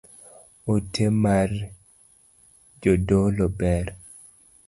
Ote mar jodolo ber